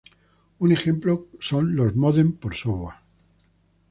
Un ejemplo son los módems por software.